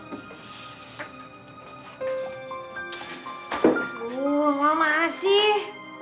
aduh mama sih